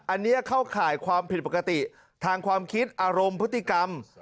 อันนี้เข้าข่ายความผิดปกติทางความคิดอารมณ์พฤติกรรม